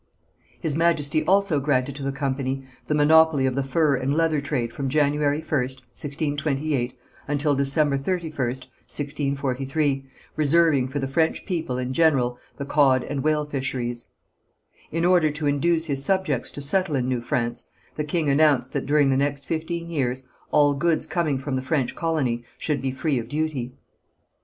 His Majesty also granted to the company the monopoly of the fur and leather trade from January 1st, 1628, until December 31st, 1643, reserving for the French people in general the cod and whale fisheries. In order to induce his subjects to settle in New France the king announced that during the next fifteen years all goods coming from the French colony should be free of duty.